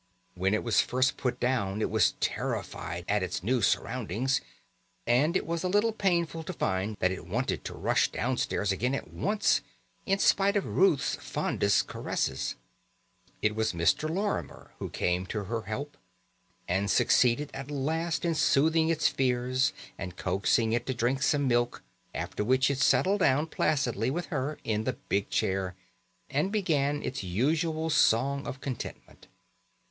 When it was first put down it was terrified at its new surroundings, and it was a little painful to find that it wanted to rush downstairs again at once, in spite of Ruth's fondest caresses. It was Mr. Lorimer who came to her help, and succeeded at last in soothing its fears and coaxing it to drink some milk, after which it settled down placidly with her in the big chair and began its usual song of contentment.